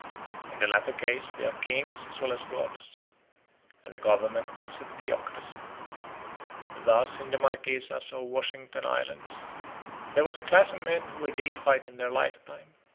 In the latter case they are kings as well as gods, and the government is a theocracy. Thus in the Marquesas or Washington Islands there was a class of men who were deified in their lifetime.